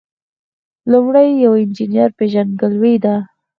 لومړی د یو انجینر پیژندګلوي ده.